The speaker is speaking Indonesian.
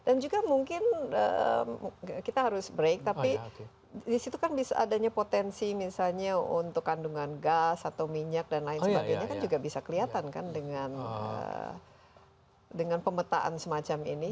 dan juga mungkin kita harus break tapi disitu kan bisa adanya potensi misalnya untuk kandungan gas atau minyak dan lain sebagainya kan juga bisa kelihatan kan dengan pemetaan semacam ini